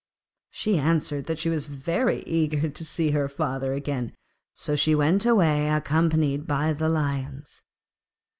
She answered that she was very eager to see her father again, so she went away accompanied by the Lions.